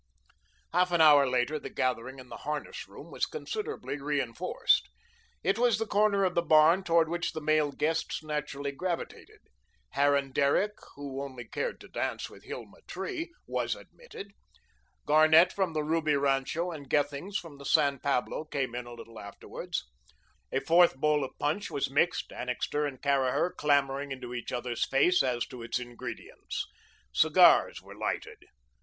Half an hour later the gathering in the harness room was considerably reinforced. It was the corner of the barn toward which the male guests naturally gravitated. Harran Derrick, who only cared to dance with Hilma Tree, was admitted. Garnett from the Ruby rancho and Gethings from the San Pablo, came in a little afterwards. A fourth bowl of punch was mixed, Annixter and Caraher clamouring into each other's face as to its ingredients. Cigars were lighted.